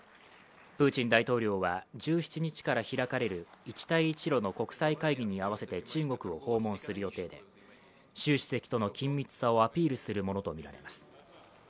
プーチン大統領は１７日から開かれる一帯一路の国際会議に合わせて中国を訪問する予定で、習主席との緊密さをアピールするものとみられます。